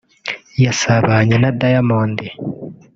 yasabanye na Diamond